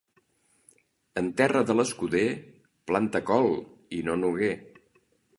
En terra de l'escuder, planta col i no noguer.